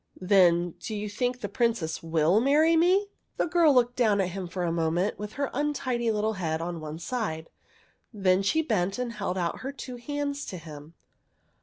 " Then do you think the Princess will marry me ?" The girl looked down at him for a moment, with her untidy little head on one side. Then she bent and held out her two hands to him.